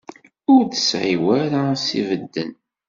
Ur tesɛi w ara s-ibedden.